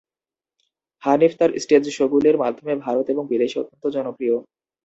হানিফ তার স্টেজ শোগুলির মাধ্যমে ভারত এবং বিদেশে অত্যন্ত জনপ্রিয়।